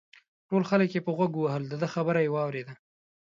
ټول خلک یې په غوږ ووهل دده خبره یې واورېده.